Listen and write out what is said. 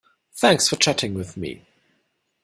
Thanks for chatting with me.